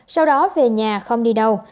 sau đó về nhà không đi đâu